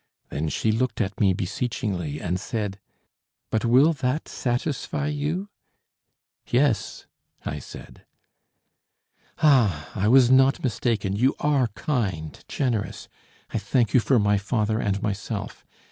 Then she looked at me beseechingly and said: "But will that satisfy you?" "Yes," I said. "Ah, I was not mistaken. You are kind, generous. I thank you for my father and myself.